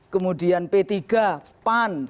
kemudian p tiga pan